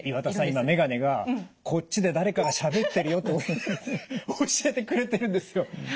今眼鏡がこっちで誰かがしゃべってるよって教えてくれてるんですよ。